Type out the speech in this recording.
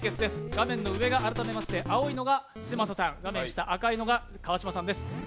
画面の上が改めまして青いのが嶋佐さん、画面下、赤いのが川島さんです。